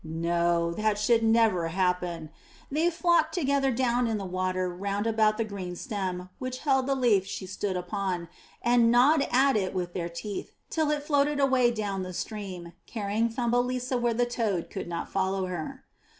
No, that should never happen. They flocked together down in the water round about the green stem which held the leaf she stood upon, and gnawed at it with their teeth till it floated away down the stream, carrying Thumbelisa where the toad could not follow her.